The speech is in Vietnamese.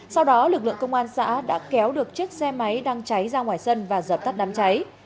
sau đó lực lượng công an xã đã kéo được chiếc xe máy đang cháy ra ngoài sân và dập tắt đám cháy